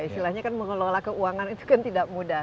istilahnya kan mengelola keuangan itu kan tidak mudah